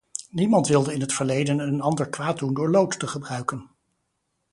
Niemand wilde in het verleden een ander kwaad doen door lood te gebruiken.